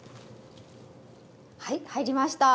はい入りました！